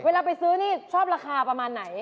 เวลาไปซื้อนี่ชอบราคาประมาณไหน